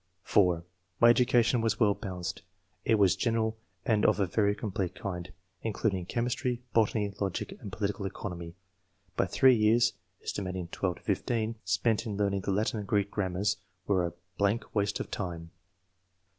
(4) ''My education was well balanced; it was general and of a very complete kind, in cluding chemistry, botany, logic and political economy; but 3 years (aet. 12 15) spent in learning the Latin and Greek, grammars were a blank waste of time."